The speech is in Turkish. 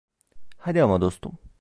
Hadi ama dostum.